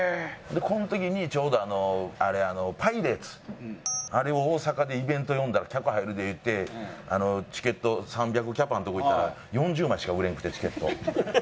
この時にちょうどパイレーツあれを大阪でイベント呼んだら客入るで言うてチケットを３００キャパのとこにいったら４０枚しか売れんくてチケット。